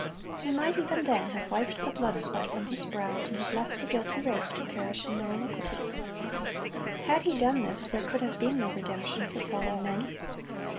He might even then have wiped the blood sweat from His brow, and have left the guilty race to perish in their iniquity. Had He done this, there could have been no redemption for fallen men.